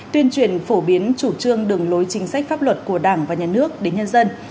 tuyên truyền phổ biến chủ trương đường lối chính sách pháp luật của đảng và nhà nước đến nhân dân